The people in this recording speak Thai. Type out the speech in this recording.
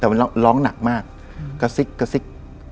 แต่มันร้องหนักมากกระซิกกระซิก